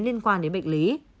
lên liên quan đến bệnh lý